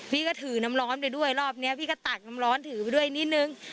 พี่ก็ถือน้ำร้อนไปด้วยรอบนี้พี่ก็ตักน้ำร้อนถือไปด้วยนิดนึง